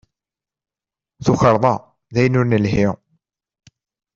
Tukarḍa d ayen ur nelhi.